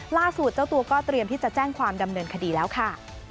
เจ้าตัวก็เตรียมที่จะแจ้งความดำเนินคดีแล้วค่ะ